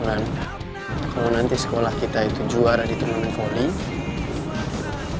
kalau nanti sekolah kita itu juara di turnamen volley